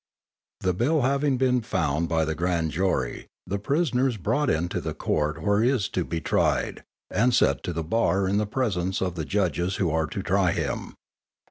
_ _The bill having been found by the grand jury, the prisoner is brought into the Court where he is to be tried, and set to the bar in the presence of the judges who are to try him.